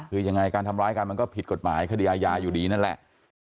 คือยังไงการทำร้ายกันมันก็ผิดกฎหมายคดีอาญาอยู่ดีนั่นแหละ